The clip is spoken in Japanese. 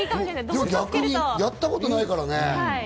逆にやったことないからね。